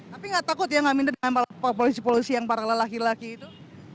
tapi gak takut ya gak minder dengan polisi polisi yang paralel laki laki itu